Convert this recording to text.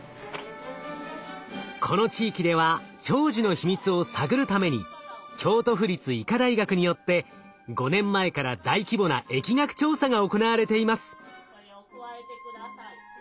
この地域では長寿の秘密を探るために京都府立医科大学によって５年前から大規模な疫学調査が行われています。